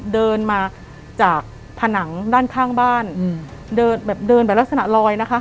เดินมาจากผนังด้านข้างบ้านเดินแบบเดินแบบลักษณะลอยนะคะ